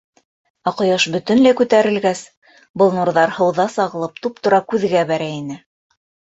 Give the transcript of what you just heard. Ә ҡояш бөтөнләй күтәрелгәс, был нурҙар һыуҙа сағылып, туп-тура күҙгә бәрә ине.